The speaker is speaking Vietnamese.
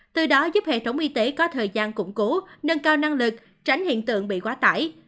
từ đó giúp hệ thống y tế có thời gian củng cố nâng cao năng lực tránh hiện tượng bị quá tải